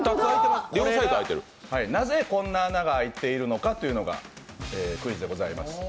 これがなぜこんな穴が開いているのかというのがクイズでございます。